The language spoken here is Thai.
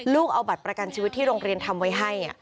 ลูกเอาบัตรประกันชีวิตที่โรงเรียนทำไว้ให้